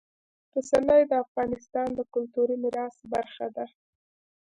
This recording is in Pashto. پسرلی د افغانستان د کلتوري میراث برخه ده.